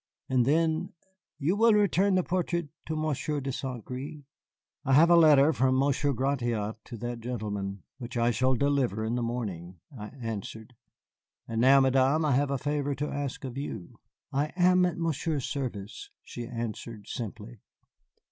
And then, "You will return the portrait to Monsieur de Saint Gré?" "I have a letter from Monsieur Gratiot to that gentleman, which I shall deliver in the morning," I answered. "And now, Madame, I have a favor to ask of you." "I am at Monsieur's service," she answered simply.